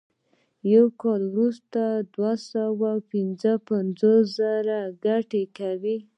یو کال وروسته دوه سوه پنځوس زره ګټه کوي